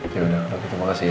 yaudah oke terima kasih ya